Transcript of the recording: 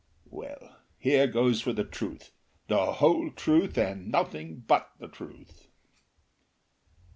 Well, here goes for the truth, the whole truth, and nothing but the truth!